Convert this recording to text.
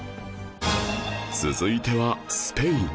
続いてはスペイン